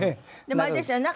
でもあれですよね